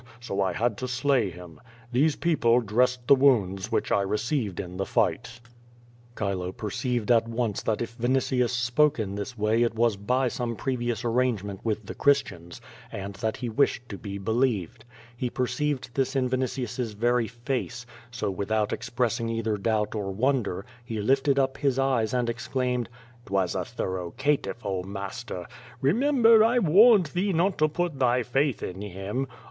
So 1 had to slay him. These people dressed tlio wounds which 1 received in tlie fight/' Chilo perceived at once that if Yitinius spoke in this waj' it was by some previous arrangement with the Christians, and that he wished to be believed, lie perceived this in Vinitius's very face, so without expressing either doubt or wonder, he lifted up his eyes and exclaimed: "■ Twas a thorough catiff, oh, master. Remember, I warned thee not to put thy faith in him.